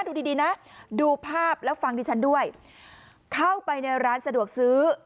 ดูดีดีนะดูภาพแล้วฟังดิฉันด้วยเข้าไปในร้านสะดวกซื้อ